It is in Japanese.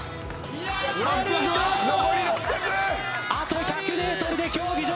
あと１００ｍで競技場。